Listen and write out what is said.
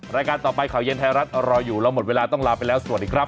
รายการต่อไปข่าวเย็นไทยรัฐรออยู่เราหมดเวลาต้องลาไปแล้วสวัสดีครับ